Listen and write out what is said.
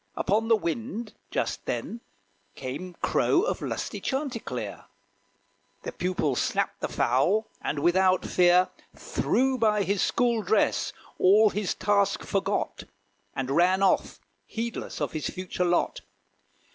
Upon the wind, Just then, came crow of lusty chanticleer: The pupil snapped the fowl, and without fear, Threw by his school dress, all his task forgot, And ran off, heedless of his future lot.